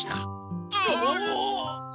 ああ！